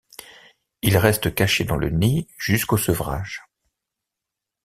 Ils restent cachés dans le nid jusqu'au sevrage.